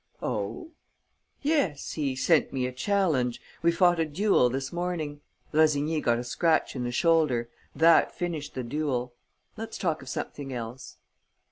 "Oh?" "Yes, he sent me a challenge. We fought a duel this morning. Rossigny got a scratch in the shoulder. That finished the duel. Let's talk of something else."